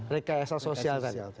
rekayasa sosial tadi